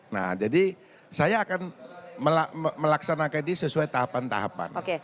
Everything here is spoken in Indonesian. nah jadi saya akan melaksanakan ini sesuai tahapan tahapan